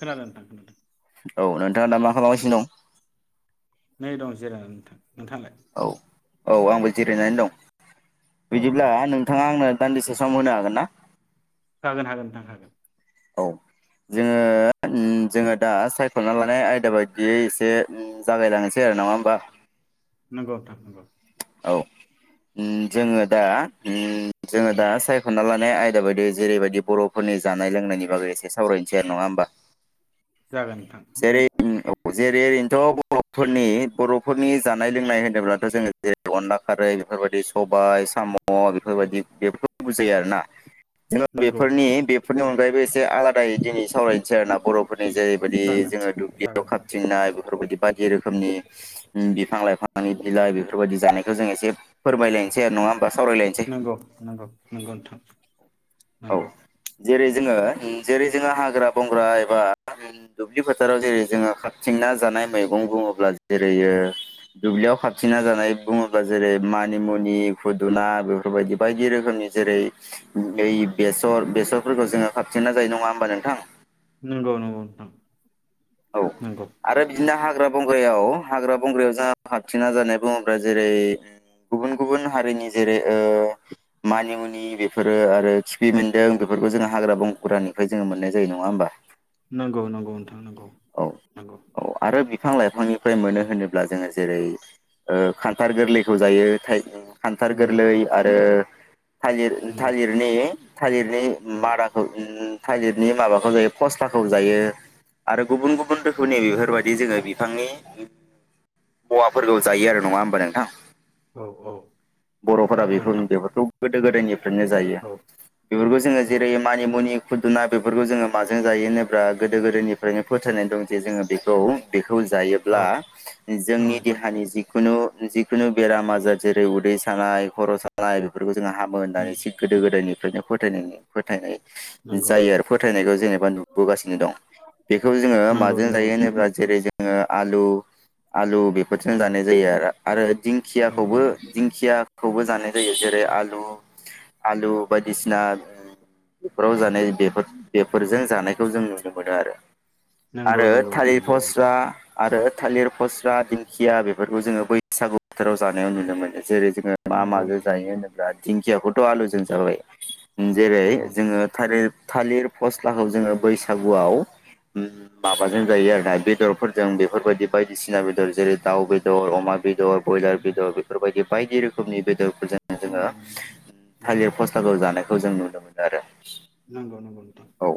खोनादो नोंथां। औ नोंथाङा दा मा खोनादों खालामगासिनो दं? नै दं जेरायनानै नोंथां। नोंथाङालाय औ औ आंबो जिरायनानै दं औ औ बिदिब्ला दे नोंथाङा आंनो औ दान्दिसे सम होनो हागोनना? हागोन हागोन नोंथां हागोन। जोङो ओन जोङो दा सायख'ना लानाय आयदा बायदियै एसे उम जागायलांनोसै आरो नङा होमबा? नंगौ नोंथां नंगौ। उम जोङो दा उम जोङो दा सायख'ना लानाय आयदा बायदियै जेरैबायदि बर'फोरनि जानाय लोंनायनि बागै एसे सावरायनोसै आरो नङा होमबा? जागोन नोंथां जेरै उम अप जेरै एरै थ' बर'फोरनि बर'फोरनि जानाय लोंनाय होनोब्लाथ' जोङो जेरै अनला खारै बेफोरबायदि सबाय साम' बेफोरबायदि बेफोरजों बुजायो आरोना जोङो नंगौ बेफोरनि बे बेफोरनि अनगायैबो एसे आलादायै दिनै सावरायनोसै आरो ना बर'फोरनि जे जागोन बि जोङो दुब्लियाव जागोन नोंथां खाबथिंनाय बेफोरबायदि बायदि रोखोमनि उम बिफां लाइफांनि बिलाइ बेफोरबायदि जानायखौ जों एसे फोरमायलायनोसै आरो नङा होम नोंग नोंग नोंग नोंथां। औ नोंगौ। जेरै जोङो जेरै जोङो हाग्रा बंग्रा एबा दुब्लि फोथाराव जेरै जोङो खाबथिंना जानाय मैगं बुङोब्ला जेरै ओ दुब्लियाव खाबथिंना जानाय बुङोब्ला जेरै मानिमुनि खुदुना बेफोरबायदि बायदि रोखोमनि जेरै बेसर बेसरफोरखौ जोङो खाबथिंना जायो नङा होमबा नोंथां? नोंगौ नोंगौ नोंथां। औ नंगौ आरो बिदिनो हाग ग्रा बंग्रायाव हाग्रा बंग्रायाव जाहा खाबथिंना जानाय बुङोब्ला जेरै गुबुन गुबुन हारिनि जेरै ओ मानिमुनि बेफोरो आरो खिफि बेन्दों बेफोरखौ जोङो हाग्रा बंग्रानिफ्राय जोङो मोननाय जायो नङा होमबा? नंगौ नंगौ नोंथा थां नोंगौ औ नोंगौ। औ आरो बिफां लाइफांनिफ्राय मोनो होनोब्ला जोङो जेरै ओ खान्थार गोरलैखौ जायो थाइजौ हान्थार नंगौ नंगौ गोरलै नोंथां आरो थालिर नंगौ नोंथां नंगौ थालिरनि थालिरनि औ मादाखौ औ थालिरनि माबाखौ जायो। फस्लाखौ जायो। आरो गुबुन गुबुन औ रोखोमनि बेफोरबायदि जोङो बिफांनि मुवाफोरखौ जायो आरो नङा होमबा नोंथां। औ औ बर'फोरा बेखौ नोंथां बेफोरखौ गोदो गोदायनि नो जायो औ बेफोरखौ जोङो औ जेरै मानि मुनि फुदुना बेफोरखौ जोङो माजों जायो होनोब्ला गोदो गोदायनि ओनो फोथायनाय दं जे जोङो बेखौ बे औ जायोब्ला जोंनि नोंथां देहानि जिखुनु जिखुनु बेराम आजार जेरै उदै सानाय खर' सानाय बेफोरखौ जोङो हामो होननानै एसे गोदो गोदायनि बिखायनो फोथायदों फोथायनाय नंगौ जायो आरो फोथायनायखौ जेनेबा नुबोगासिनो दं। बेखौ जोङो नंगौ माजों नंगौ जायो नोंथां होनोब्ला जेरै जोङो आलु आलु बेफोरजोंनो नंगौ जानाय जायो आरो आरो नंगौ दिंखियाखौबो नोंथां दिंखिया खौबो जानाय जायो जेरै आलु आलु बायदिसिना बेफोराव जानाय बेफोर बेफोरजों जानाय। खौ जों नुनो मोनो आरो। नंगौ आरो नंगौ नोंथां थालिर नंगौ फस्ला आरो थालिर फस्ला दिंखिया बेफोरखौ जोङो बैसागु फोथाराव जानायाव औ नुनो मोनो जेरै जोङो मा नंगौ माजों नंगौ जायो नोंथां होनोब्ला दिंखियाखौथ' आलुजों नंगौ जाबाय जेरै नंगौ नोंथां जोङो थालिर थालिर फस्लाखौ जोङो बैसागुआव माबाजों जायो आरोना बेदरफोरजों बेफोरबायदि बायदिसिना बेदर जेरै दाउ बेदर अमा बेदर बयलार नंगौ बेदर बेफोरबायदि बायदि रोखोमनि बेदर जोङो नंगौ नंगौ नंगौ थागिर फस्लाखौ जानाय खौ जों नुनो मोनो आरो। नगौ नंगौ। नोंथां औ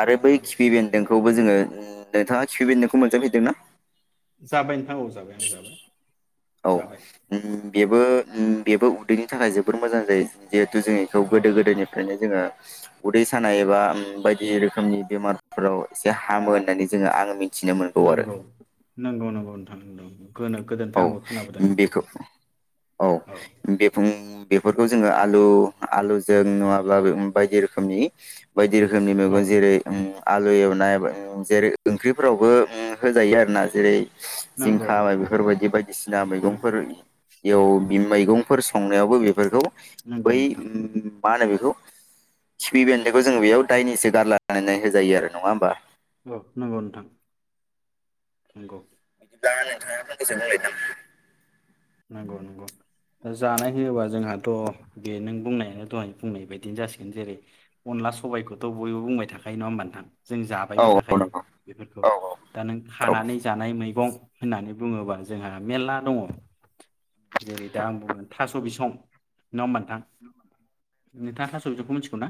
आरो बै नंगौ खिफि बेन्दोंखौ बो जोङो ओ नोंथाङा गिबि बेन्दोंखो खौ मोनजाफेरदोंना? जाबाय नोंथां औ जाबाय आं जाबाय औ जाबाय ओम बेबो ओम बेबो उदैनि थाखाय जोबोर मोजां जायोे जे थुजों एखौ औ गोदो औ गोदोनिफ्रायनो जोंङो उदै सान नाय एबा ओम बायदि रोखोमनि बेमारफोराव एसे हामो होननानै जोंङो आंङो मि नोंगौ नोंगौ-नोंगौ नौथां नोंगौ। औ बेखौ औ बे खुं बेफोरखौ जोंङो आलु आलुजों नुङाब्लाबो बायदि रोखोमनि बाय दि रोखोमनि औ मैगं नोंथां जेरै उम आलु एवनाय बा जेरै ओंख्रिफोरावबो उम होजायो आरो ना जेरै - नोंगौ नगौ नोंथां। बे बायदिसिना मैगंफोर बेयाव बि मैगंफोर संनायाव बो बेफोरखौ नंगौ बै नोंथां उम मा होनो बेखौ? खिफि बेन्दोंखौ जोंङो बेयाव दायनिसो गारलानानै होजायो आरो नंङा होमबा? औ नंगौ नोंथां नंगौ। [unintelligible] नंगौ नंगौ। ओ जानाय होयोबा जोंहाथ' बे नों बुंनायानो दहाय बुंनाय बायदिनो जासिगोन जेरै-अनला सबायखौथ' बयबो बुंबाय थाखायो नंङा होमबा नोंथां? जों औ जाबायबो औ थाखायो नंगौ बेफोरखौ औ औ दा नों औ औ खानानै जानाय मैगं होननानै बुंङोबा जोंहा मेल्ला दंङ। जेरै दा आं बुंगोन थास' बिसं नंङा होमबा नोंथां? नोंथांङा थास' बिसंखौ मिथिगौ ना?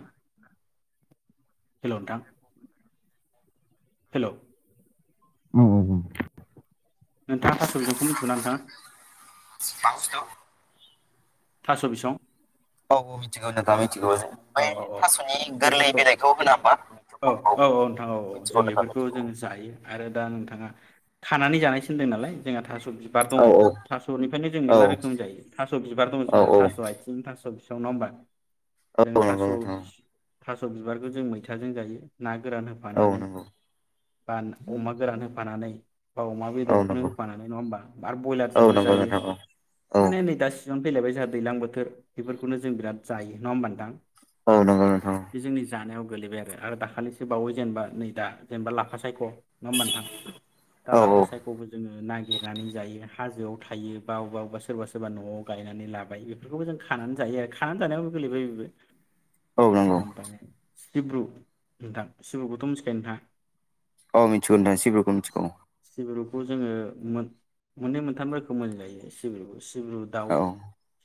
हेलौ नोंथां हेलौ उम उम उम नोंथांङा थास' बिसंखौ मिनथिगौना नोंथांङा? बुस्थु थास' बिसं? अ मिथिगौ नोंथां। मिथिगौ जों औ बै औ औ थास'नि गोरलै बेफोरखौ बिलाइखौ होना होमबा औ औ औ नोंथां औ औ मिथिगौ जों नोंथां बेफोरखौ मिथिगौ जों जायो आरो दा नोंथांङा खानानै जानाय सिनदों नालाय जोंहा थास' थ' बिबार दंङ औ औ थास'निफ्रायनो जों औ मेरला रोखोम जायो। थास' बिबार दं औ जोंहा औ थास' आइथिं थास', बि सं नंबा जों औ नंगौ थास' नोंथां बिस थास स' बिबारखौ जों मैथाजों जायो ना गोरान औ औ होफानानै नंगौ बान अमा गोरान होफानानै बा अमा औ बेदरखौनो नंगौ होफानानै नंङा होमबा? आरो औ ब्रयलारजोंबो नंगौ जायो। नोंथां औ माने नै दा सिजोन फैलायबाय जोंहा दैज्लां बोथोर बेफोरखौनो जों बिराद जायो नङा होमबा नों दां औ नंगौ नोंथां औ गोलैबाय आरो दाखालिसो बावो जेनेबा नै दा जेनेबा लाफा सायख' नङा होमबा नोंथां दा औ लाफा औ सायखौबो जोंङो नागिरनानै जायो हाजोआव थायो बबा अबेबा अबेबा सोरबा सोरबा न'आव गायनानै लाबाय बेफोरखौबो जों खानानै जायो आरो खानानै जानायावबो गोलैबाय बेबो औ नंगौ ओमफ्राय सिब्रु नोंथां सिब्रुखौथ' मिथिखायो नोंथां? औ मिथिगौ नोंथां सिब्रुखौ मिथिखौ। जोंङो मोननै मोनथाम रोखोम मोनजायो सिब्रु सिब्रु दाउ औ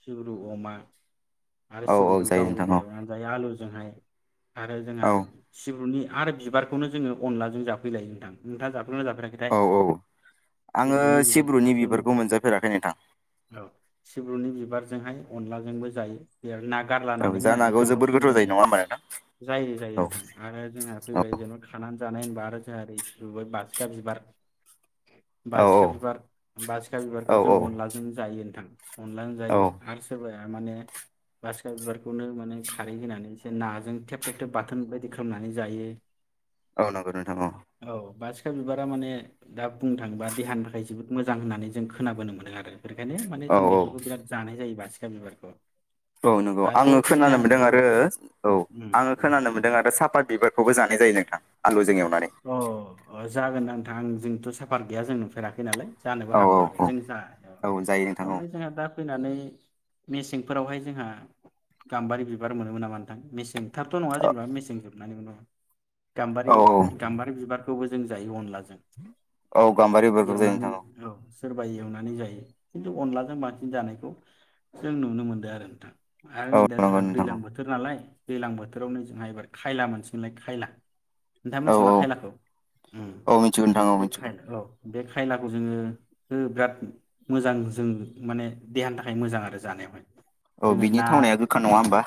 सिब्रु अमा आरो औ सिब्रु औ जायो नोंथां औ एवनानै जायो आलुजों ओमफ्राय आरो जोंहा औ सिब्रुनि आरो बिबारखौनो जोंङो अनलाजों जाफैलायो नोंथां। नोंथाङा जाफेरबाय औ औ आङो सिब्रुनि बिबारखौबो सिब्रुनि जोङो बिबारखौ मोनजाफेराखै नोंथां। ग्रनि बिबारजोंहाय अनलाजोंबो जायो बे ना औ गारलनानै जानो होनानै हागौ जोबोर गोथावसिन गोथाव जायो नङा आरो होमबा नोंथां जायो जायो औ नोंथां आरो जोंहा औ फैबाय जेनेबा खानानै जानाय होनबा आरो जोंहा ओरै बारसिखा बिबार औ बारसिखा बिबार बारसिखा औ बिबारखौ जों अनलाजों जायो नोंथां। अनलां औ जायो आरो सोरबाया तामाने बा बासिगि बिबारखौनो माने खारै होनानै एसे नाजों थेब थेब थेब बाथोन बायदि खालामनानै जायो। औ नंगौ नोंथां बेफोर बिबारा माने दा बुंनो थाङोबा देहानिफ्राय जोबोद मोजां होननानै जों खोनाबोनो मोनो आरो बेखायनो माने औ जों औ बेफोरखौ बिराद जानाय जायो बारसिगि बिबारखौ औ नंगौ आरो आङो जोंहा खोनानो मोनदों औ आरो औ उम आङो उम खोनानो मोनदों आरो साफात बिबारखौबो जानाय जायो नोंथां। आलुजों एवनानै अ अ जागोन आं आं जोंथ साफात गैया जों नुफेराखै नालाय जानोबो औ हागौ आरो औ जों जा अ औ जायो नोंथां अ औ ओमफाय जोंहा दा फैनानै मेसेंफोरावहाय जोंहा गाम्बारि बिबार मोनोमोन नामा नोंथां मेसें थाबथ नङा जेनेबा मेसें जोबनानैबो गाम्बारि औ गाम्बारि बिबारखौबो जों जायो अनलाजों औ गाम्बारि बिबारखौ जायो नोंथां औ सोरबा एवनानै जायो खिन्थु अनलाजों बांसिन जानायखौ जों नुनो मोनदों आरो नोंथां आरो नै औ दा नंगौ जोंहा नोंथां दैलां बोथोर नालाय दैलां बोथोराव नै जोंहा एबार खायला मोनसिगोनलाय खायला नोंथाङा औ मोनथिगौवना खायलाखौ उम औ मिथिगौ नोंथां औ बे मिथिगौ खायला औ बे खायलाखौ जोङो ओ बिराद मोजां जों माने देहानि थाखाय मोजां आरो जानायावहाय औ जोङो बिनि ना थावनाया गोखा नङा होमबा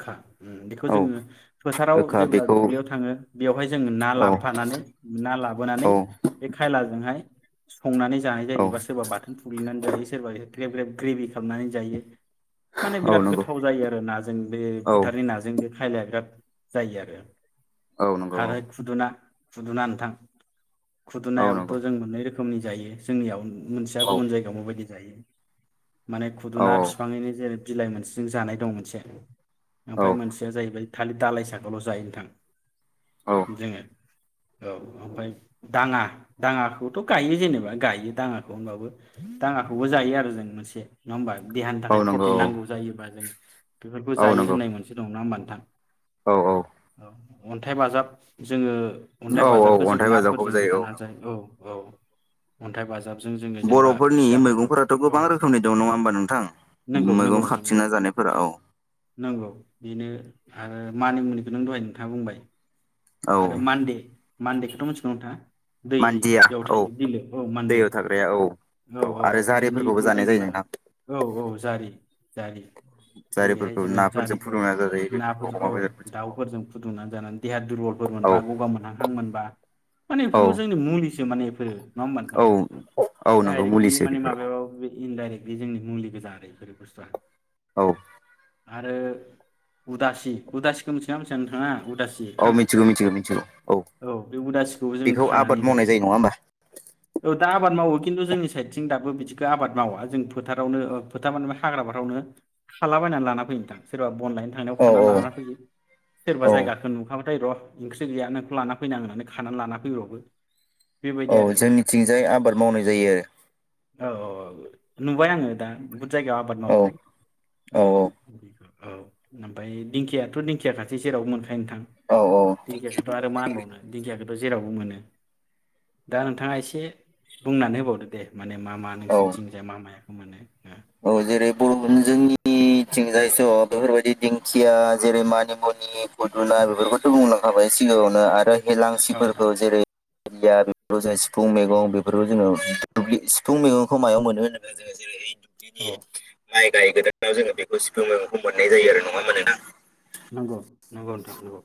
खा उम बेखौ औ जोङो फोथाराव गोखा जेब्ला बेखौ दुब्लियाव थाङो बेवहाय जोङो ना औ लाबोफानानै ना लाबोनानै औ बे खायलाजोंहाय संनानै जानाय जायो औ एबा सोरबा बाथोन थुग्लिनानै जायो सोरबा ए ग्लेब ग्लेब ग्रेबि खालामनानै जायो माने औ बिराद नंगौ गोथाव जायो आरो नाजों बे औ फोथारनि नाजों बे खायलाया बिराद जायो आरो औ नंगौ हाराय औ खुदुना खुदुना नोंथां औ खुदुनायाबोथ नंगौ जों मोननै रोखोम रोखोमनि जायो जोंनियाव मोनसेया औ गुबुन जायगायाव माबायदि जायो माने औ खुदुना बिफाङैनो जेरै बिलाइ मोनसेजों जानाय दं मोनसे औ ओमफाय मोनसेया जाहैबाय खालि दालाइ साखाल जायो नोंथां औ जोङो औ ओमफाय दाङा दाङाखौथ गायो जेनेबा गायो दाङाखौ होनबाबो दाङाखौबो जायो आरो जों मोनसे नङा होमबा देहानि औ थाखाय नंगौ प्रटिन नांगौ औ जायोबा जों बेफोरखौ औ जायो नंगौ होननाय मोनसे दं नंङा होमबा [unintelligible] औ औ। अन्थाइ बाजाब जोङो अन्थाइ बाजाबखौ औ जों अन्थाइ बाजाबखौबो नाफोरजों होजाना नंगौ जायो औ। औ अन्थाइ बाजाब - बर'फोरनि मैगंफोराथ' गोबां रोखोमनि दं नङा होमबा नोंथां नंगौ नंगौ मैगं नोंथां नंगौ खाबथिंना जानायफोरा औ। नंगौ बेनो आरो मानि मुनिखौ नों दहाय खोथा बुंबाय आरो औ मानडे मानडेखौथ' मिथिगौ नोंथाङा मान्दिया दैयाव औ थायो बिलो औ मानडे दैयाव थाग्राया औ औ औ आरो जारिफोरखौबो बिनिखौ जानाय जायो जोंना नोंथां औ औ जारि जारि जेरैहाय जारिफोरखौ जोङो नाफोरजों जारिखौ फुदुंना जा जायो बेफोरखौ अमा बेदरफोरजों। दुंना जानानै देहा दुरबलफोर औ मोनबा गगा मोनहांहां मोनबा माने बेफोरबो औ जोंनि मुलि जो माने एफोरो नङा होमबा नोंथां औ औ नंगौ डाइरेक्टलि मुलिसो माने बेफोर माबायाव बे इनडाइरेक्ट बे जोंनि मुलि गोजा आरो बेफोर बुस्थुआ औ। आरो उदासि उदासिखौ मिथिगोनना मिथिया? नोंथाङा? उदासि औ एरखां मिथिगौ मिथिगौ मिथिगौ औ बे उदासिखौबो जों बेखौ आबाद खानानै मावनाय जायो नङा होमबा औ दा आबाद मावो। खिन्थु जोंनि साइडथिं दाबो बिदिखौ आबाद मावा जों फोथारावनो फोथार माने हाग्रा फ्रावनो खालाबायनानै लाना फैयो नोंथां सोरबा बन लायनो थांनायाव औ खानानै औ लानानानै फैयो। सोरबा औ जायगाखौ नुखा होइ र' ओंख्रि गैया नोंखौ लाना फैनां होननानै खानानै लाना फैब्रबो। बेबायदि औ आरो नोंथां जोंनिथिंजाय आबाद मावनाय जायो। औ औ [unintelligible] जायगायाव आबाद मावो आरो औ। औ ओमफ्राय दिंखियाथ' दिं थिया खासै जेरावबो मोनखा नोंथां औ दिंखियाखौथ' आरो मा होनबावनो दिंखियाखो जेरावबो मोनो दा नोंथाङा एसे बुंनानै होबावदो दे। माने मा मा औ औ नोंसिनिथिंजाय मा माया? मोनो ओ औ जेरै [unintelligible] जोंनिथिं जायस' बेफोरबायदि दिंखिया जेरै मानिमुनि फुदुना बेफोरखौथ' बुंलांखाबाय सिगाङावनो आरो औ नोंथां हेेलांसिफोरखौ जेरै [unintelligible] सिफुं मैगं बेफोरखौ जोङो। सिफुं मैगंखौ मायाव मोनो होनोब्ला जोङो जेरै औ बिदि माइ गाय गोदानाव जोङो बेखौ सिफुं मैगंखौ मोननाय जायो आरो नङा होनबा नोंथां? नंगौ नंगौ नोंथांं नंगौ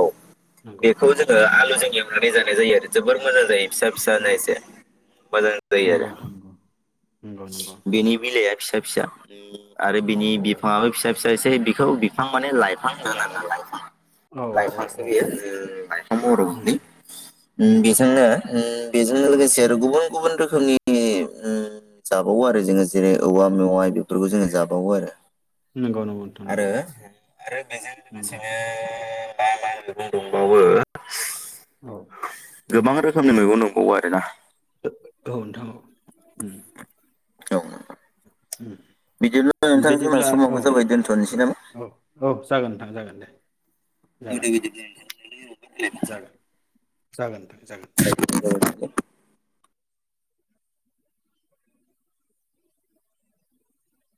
औ नंगौ। नानै जानाय जायो आरो जोबोर मोजां जायो। फिसा फिसा ना नंगौ एसे मोजां जायो आरो। नंगौ नंगौ नोंथां नंगौ नंगौ नंगौ नि बिलाइआ फिसा फिसा उम। आरो औ बिनि बिफांआबो फिसा फिसा। जायसेै बिखौ बिफां माने लाइफां होनना लानाय औ औ औ लाइफांसो औ बेयो औ लाइफां उम बर'नि उम बेजोंनो उम बेजों लोगोसे आरो गुबुन गुबुन रोखोमनि उम जाबावो आरो। जोङो जेरै औवा मेवाइ बेफोरखौ जोङो जाबावो आरो। नंगौ नंगौ नोंथां आरो नंगौ आरो बेजों नंगौ लोगोसेनो मा मा मेगं दंबावो? औ। गोबां रोखोमनि मेगं दंबावो आरोना ओ औ नोंथां औ। औ। बिदिनो उम नोंथां जोंना बिदिब्ला औ समावबो जाबाय दोन्थ'नोसै नामा? औ औ जागोन दे। जागोन नोंथां [unintelligible] जागोन [unintelligible] जागोन ओनथां। जागोन जागोन। नोंथां